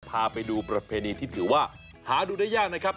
พาไปดูประเพณีที่ถือว่าหาดูได้ยากนะครับ